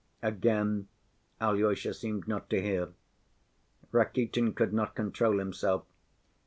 Again Alyosha seemed not to hear. Rakitin could not control himself.